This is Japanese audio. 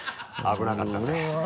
危なかったぜ。